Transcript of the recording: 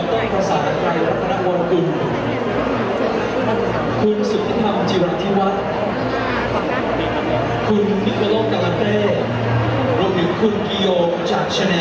ดรภาษาไกรรัฐนักวงกุลคุณสุธิธรรมจิรัทธิวัฒน์คุณมิคโลกาลาเต้และคุณกิโยคจากชาแนล